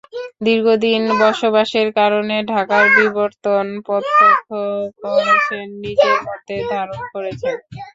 দীর্ঘদিন বসবাসের কারণে ঢাকার বিবর্তন প্রত্যক্ষ করেছেন, নিজের মধ্যে ধারণ করেছেন।